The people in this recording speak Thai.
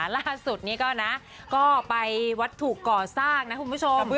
ล่าสุดนี้ก็นะก็ไปวัตถุก่อสร้างนะคุณผู้ชม